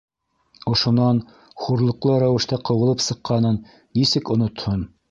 Ошонан хурлыҡлы рәүештә ҡыуылып сыҡҡанын нисек онотһон?